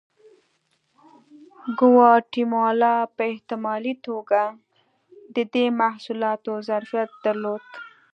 ګواتیمالا په احتمالي توګه د دې محصولاتو ظرفیت درلود.